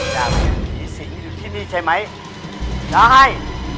แกเป็นผีสิงห์อยู่ที่นี่ใช่มั้ยได้